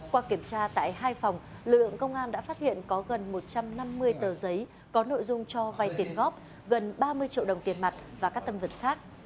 qua kiểm tra tại hai phòng lực lượng công an đã phát hiện có gần một trăm năm mươi tờ giấy có nội dung cho vay tiền góp gần ba mươi triệu đồng tiền mạng